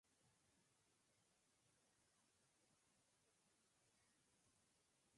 Asimismo existen otras variedades de árboles "retorcidos" de otras especies: robles, nogales, olmos, sauces.